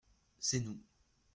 C’est nous.